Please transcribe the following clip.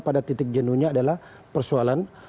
pada titik jenuhnya adalah persoalan